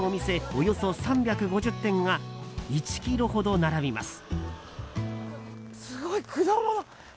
およそ３５０店が１ｋｍほど並びます。